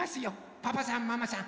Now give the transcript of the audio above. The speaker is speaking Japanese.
パパさんママさん